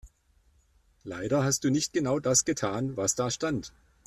Leider hast du nicht genau das gesagt, was da stand.